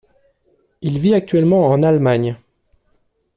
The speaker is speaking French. Il vit actuellement en Allemagne.